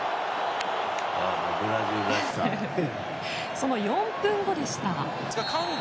その４分後でした。